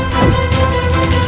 juru seperti mahesa